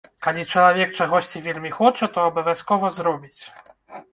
Калі чалавек чагосьці вельмі хоча, то абавязкова зробіць.